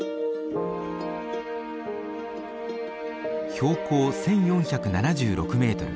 標高１，４７６メートル。